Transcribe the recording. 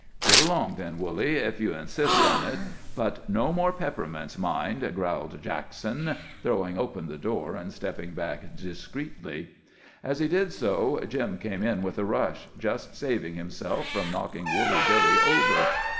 "Git along, then, Woolly, if ye insist on it. But no more peppermints, mind," growled Jackson, throwing open the door and stepping back discreetly. As he did so, Jim came in with a rush, just saving himself from knocking Woolly Billy over.